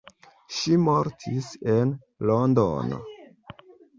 Ŝi mortis en Londono.